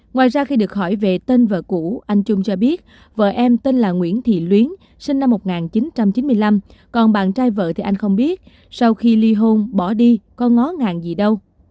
ngoài ra khi được hỏi về tên vợ cũ anh trung cho biết vợ em tên là nguyễn thị luyến sinh năm một nghìn chín trăm chín mươi năm còn bạn trai vợ thì anh không biết sau khi ly hôn bỏ đi có ngó ngàn gì đâu